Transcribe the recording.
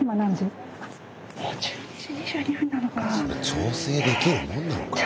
調整できるもんなのかい？